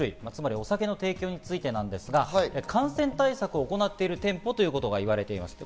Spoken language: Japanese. お酒の提供についてなんですが、感染対策を行っている店舗ということがいわれています。